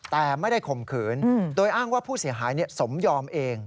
แต่ไม่ได้ข่มขืนโดยอ้างว่าผู้เสียหายสมยอมเอง